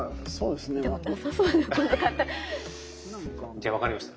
じゃあわかりました。